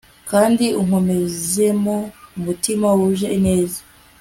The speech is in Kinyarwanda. kandi unkomezemo umutima wuje ineza